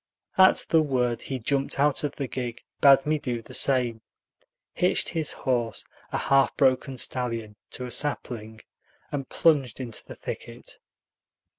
At the word he jumped out of the gig, bade me do the same, hitched his horse, a half broken stallion, to a sapling, and plunged into the thicket.